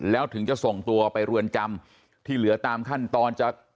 แล้วถึงจะส่งตัวไปเรือนจำที่เหลือตามขั้นตอนจะ